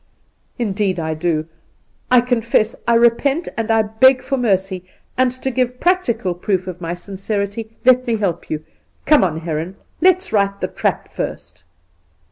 ' Indeed I do. I confess, I repent, and I beg for mercy; and, to give practical proof of my sincerity, let me help you. Come on, Heron ; let's right the trap first.'